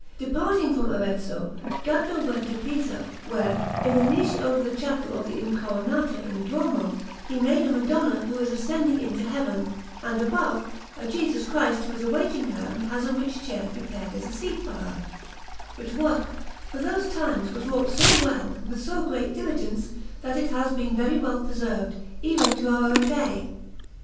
Departing from Arezzo, Gaddo went to Pisa, where, in the niche over the Chapel of the Incoronata in the Duomo, he made a Madonna who is ascending into Heaven, and, above, a Jesus Christ who is awaiting her and has a rich chair prepared as a seat for her; which work, for those times, was wrought so well and with so great diligence that it has been very well preserved, even to our own day.